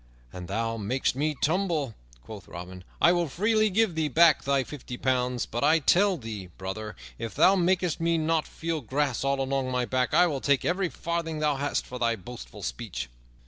"An thou makest me tumble," quoth Robin, "I will freely give thee back thy fifty pounds; but I tell thee, brother, if thou makest me not feel grass all along my back, I will take every farthing thou hast for thy boastful speech."